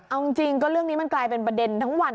เอาจริงก็เรื่องนี้มันกลายเป็นประเด็นทั้งวัน